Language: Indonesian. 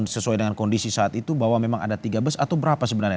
sesuai dengan kondisi saat itu bahwa memang ada tiga bus atau berapa sebenarnya